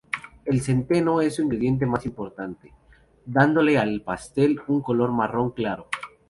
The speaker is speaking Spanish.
El centeno es su ingrediente más importante, dándole al pastel un color marrón claro.